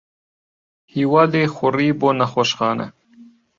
ھیوا لێی خوڕی بۆ نەخۆشخانە.